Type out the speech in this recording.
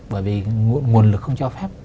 bởi vì nguồn lực không cho phép